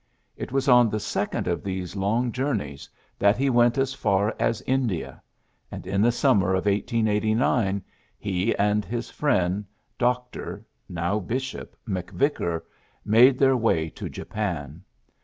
It was on the second of these long journeys that he went as far as India j and in the summer of 1889 he and his friend, Dr. (now Bishop) Mc Vickar, made their way to Japan.